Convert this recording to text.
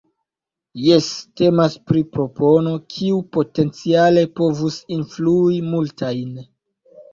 Jes, temas pri propono, kiu potenciale povus influi multajn.